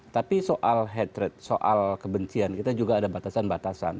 tapi soal head rate soal kebencian kita juga ada batasan batasan